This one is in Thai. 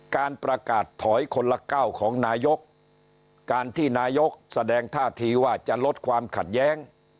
การประกาศถอยคนละเก้าของนายกการที่นายกแสดงท่าทีว่าจะลดความขัดแย้ง